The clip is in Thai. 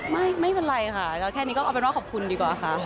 ไม่เป็นไรค่ะก็แค่นี้ก็เอาเป็นว่าขอบคุณดีกว่าค่ะ